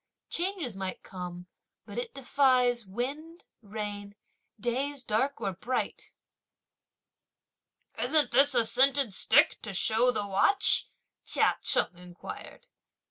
Changes might come, but it defies wind, rain, days dark or bright! "Isn't this a scented stick to show the watch?" Chia Cheng inquired.